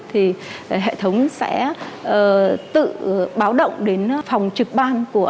thì hệ thống sẽ tự báo động đến phòng trực ban của